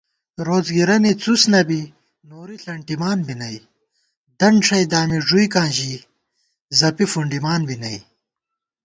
روڅ گِرَنےڅُس نہ بی نوری ݪَنٹِمان بی نئ * دنت ݭَئ دامی ݫُوئیکاں ژِی زَپی فُنڈِمان بی نئ